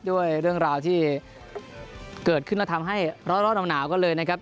ด้วยเรื่องราวที่เกิดขึ้นแล้วทำให้ร้อนหนาวกันเลยนะครับ